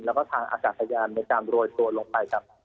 แล้วก็ทางอากาศยานในการโรยตัวลงไปกับ